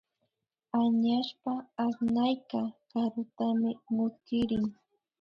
Añashpa asnayka karutami mutkirin